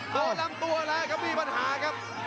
โดดประตูอะไรครับมีปัญหากับ